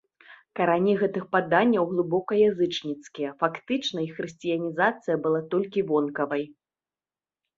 Карані гэтых паданняў глыбока язычніцкія, фактычна іх хрысціянізацыя была толькі вонкавай.